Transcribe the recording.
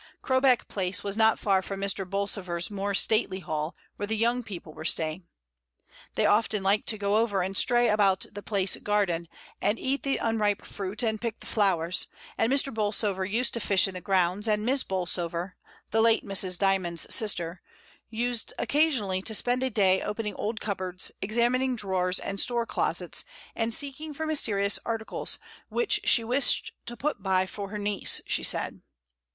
Crowbeck Place was not far from Mr. Bolsover's more stately hall, where the young people were staying. They often liked to go over and stray about the Place garden and eat the unripe fruit and pick the flowers; and Mr. Bolsover used to fish in the grounds, and Miss Bolsover, the late Mrs. Dymond's sister, used occasionally to spend a day opening old cupboards, examining drawers and 12 MRS. DYMOND. Store closets, and seeking for mysterious articles, which she wished to put by for her niece, she said.